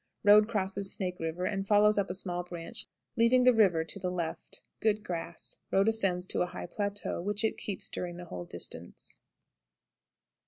Road crosses Snake River, and follows up a small branch, leaving the river to the left. Good grass. Road ascends to a high plateau, which it keeps during the whole distance.